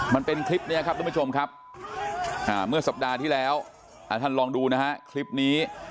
มันเป็นคลิปนี้ครับทุกผู้ชมครับเมื่อสัปดาห์ที่แล้วท่านลองดูนะฮะคลิปนี้